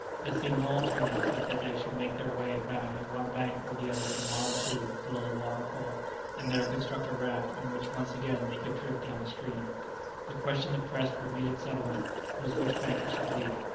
There seemed no alternative but that they should make their way by one bank or the other a mile or two below the waterfall, and there construct a raft on which once again they could drift down the stream. The question that pressed for immediate settlement was which bank it should be.